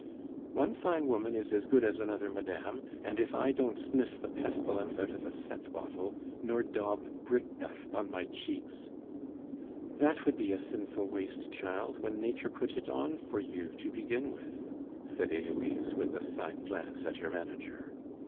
"One fine woman is as good as another, madame; and if I don't sniff the pestilence out of a scent bottle, nor daub brickdust on my cheeks " "That would be a sinful waste, child, when Nature put it on for you to begin with," said Heloise, with a side glance at her manager.